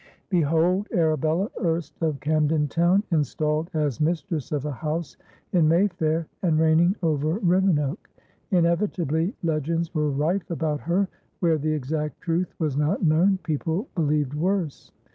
Behold Arabella, erst of Camden Town, installed as mistress of a house in Mayfair and reigning over Rivenoak. Inevitably, legends were rife about her; where the exact truth was not known, people believed worse.